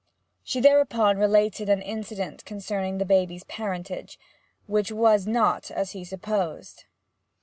She thereupon related an incident concerning the baby's parentage, which was not as he supposed.